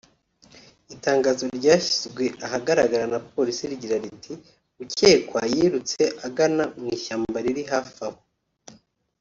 Itangazo ryashyizwe ahagaragara na Polisi rigira riti “Ucyekwa yirutse agana mu ishyamba riri hafi aho